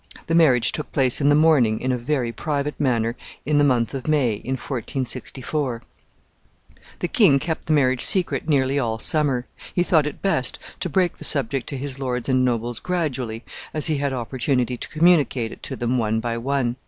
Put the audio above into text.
The marriage took place in the morning, in a very private manner, in the month of May, in 1464. The king kept the marriage secret nearly all summer. He thought it best to break the subject to his lords and nobles gradually, as he had opportunity to communicate it to them one by one.